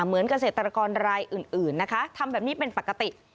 เหมือนเกษตรกรรายอื่นนะคะทำแบบนี้เป็นปกติ